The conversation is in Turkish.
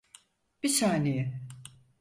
Bi saniye.